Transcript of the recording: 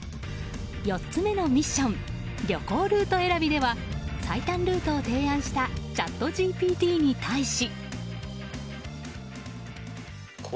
４つ目のミッション旅行ルート選びでは最短ルートを提案したチャットＧＰＴに対し。